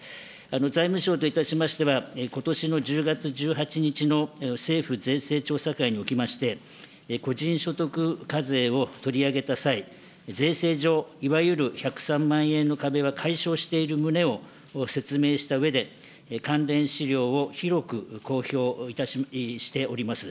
財務省といたしましては、ことしの１０月１８日の政府税制調査会におきまして、個人所得課税を取り上げた際、税制上、いわゆる１０３万円の壁は解消している旨を説明したうえで、関連資料を広く公表しております。